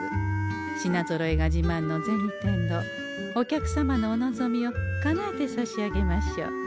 品ぞろえがじまんの銭天堂お客様のお望みをかなえてさしあげましょう。